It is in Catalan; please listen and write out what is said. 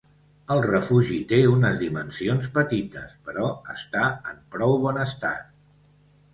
El refugi té unes dimensions petites, però està en prou bon estat.